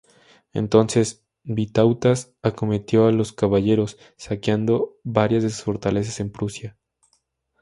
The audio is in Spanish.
Entonces Vitautas acometió a los caballeros, saqueando varias de sus fortalezas en Prusia.